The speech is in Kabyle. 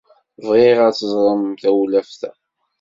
Bɣiɣ ad teẓremt tawlaft-a.